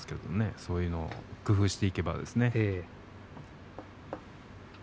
そういうのを工夫していけばですね。